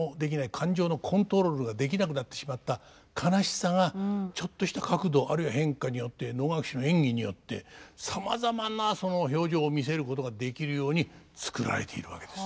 感情のコントロールができなくなってしまった悲しさがちょっとした角度あるいは変化によって能楽師の演技によってさまざまなその表情を見せることができるように作られているわけです。